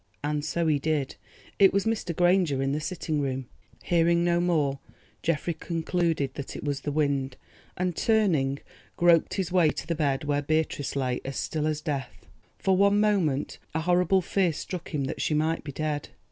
And so he did; it was Mr. Granger in the sitting room. Hearing no more, Geoffrey concluded that it was the wind, and turning, groped his way to the bed where Beatrice lay as still as death. For one moment a horrible fear struck him that she might be dead.